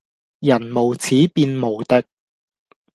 人無恥便無敵